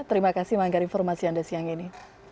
terima kasih manggar informasi anda siang ini